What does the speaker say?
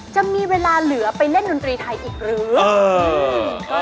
จะมีเวลาเหลือไปเล่นดนตรีไทยอีกหรือ